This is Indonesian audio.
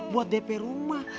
buat dp rumah